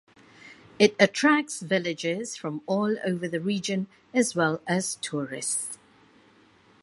It attracts villagers from all over the region as well as tourists.